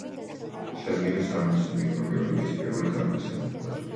შეადგინა სამედიცინო მიკრობიოლოგიის პირველი ქართული სახელმძღვანელო.